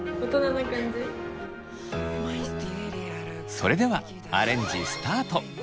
それではアレンジスタート。